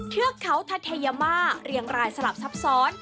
เทือกเขาทัทยามาเรียงรายสลับซับซ้อน